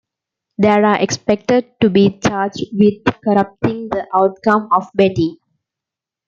They are expected to be charged with corrupting the outcome of betting.